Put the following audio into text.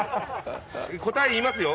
答え言いますよ。